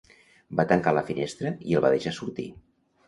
Va tancar la finestra i el va deixar sortir.